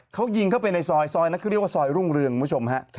เขายิงเข้าไปในซอยซอยนั้นเขาเรียกว่าซอยรุ่งเรืองคุณผู้ชมฮะ